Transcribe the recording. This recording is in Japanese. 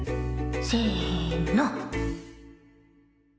せの。